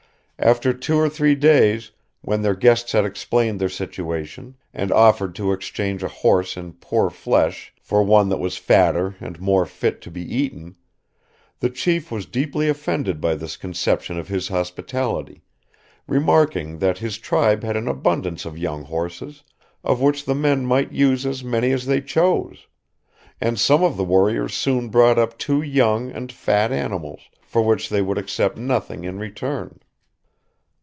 After two or three days, when their guests had explained their situation, and offered to exchange a horse in poor flesh for one that was fatter and more fit to be eaten, the chief was deeply offended by this conception of his hospitality, remarking that his tribe had an abundance of young horses, of which the men might use as many as they chose; and some of the warriors soon brought up two young and fat animals, for which they would accept nothing in return.